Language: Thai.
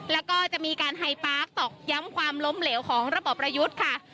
แล้วก็จะมีการไฮปาร์คตอกย้ำความล้มเหลวของระบอบประยุทธ์ค่ะ